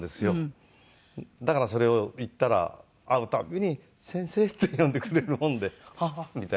だからそれを言ったら会うたんびに「先生」って呼んでくれるもんでああーみたいになって。